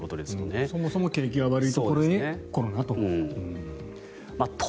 そもそも景気が悪いところに、コロナと。